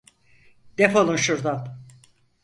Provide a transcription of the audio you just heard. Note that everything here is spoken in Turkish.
Defolun şurdan!